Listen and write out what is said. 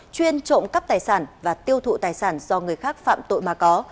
chuyên trộm cắp tài sản và tiêu thụ tài sản do người khác phạm tội mà có